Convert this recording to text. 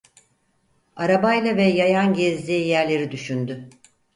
Arabayla ve yayan gezdiği yerleri düşündü.